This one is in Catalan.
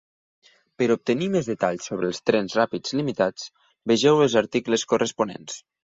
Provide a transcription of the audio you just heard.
Per obtenir més detalls sobre els trens ràpids limitats, vegeu els articles corresponents.